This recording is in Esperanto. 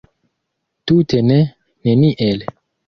Tute ne, neniel.